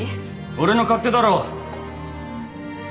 俺の勝手だろ。